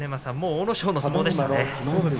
阿武咲の相撲でしたね。